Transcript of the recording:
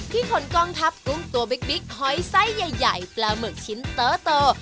ที่ขนกองทัพกุ้งตัวบิ๊กหอยไส้ใหญ่ปลาหมึกชิ้นเตอะเตอร์